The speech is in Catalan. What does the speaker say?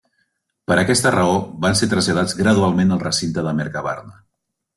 Per aquesta raó, van ser traslladats gradualment al recinte de Mercabarna.